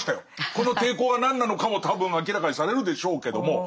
この抵抗が何なのかも多分明らかにされるでしょうけども。